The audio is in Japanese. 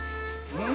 うん！